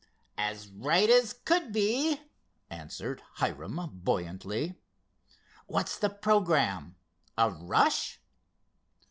"As right as could be," answered Hiram buoyantly. "What's the programme, a rush?"